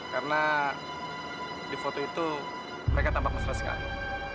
karena di foto itu mereka tampak mesra sekali